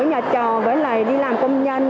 vì thực ra mà ở nhà trò với lại đi làm công nhân